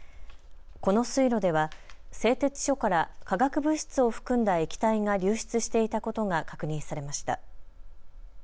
この水路では製鉄所から化学物質を含んだ液体が流出していたことが確認されました。